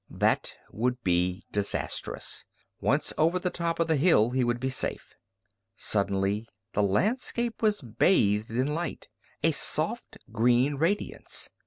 That would be disastrous. Once over the top of the hill he would be safe. Suddenly the landscape was bathed in light, a soft green radiance.